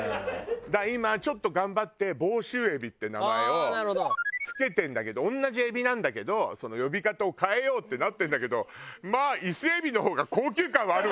今ちょっと頑張って「房州海老」って名前を付けてるんだけど同じ海老なんだけど呼び方を変えようってなってるんだけどまあ伊勢海老の方が高級感はあるわよね。